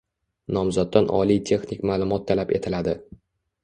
Nomzoddan oliy texnik maʼlumot talab etiladi.